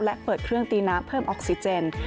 และเปิดเครื่องตีน้ำเพิ่มออกซิเจน